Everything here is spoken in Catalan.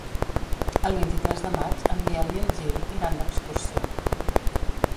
El vint-i-tres de maig en Biel i en Gil iran d'excursió.